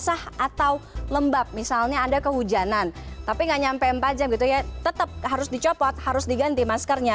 sah atau lembab misalnya ada kehujanan tapi nggak nyampe empat jam gitu ya tetap harus dicopot harus diganti maskernya